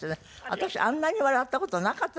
私あんなに笑った事なかったですよ。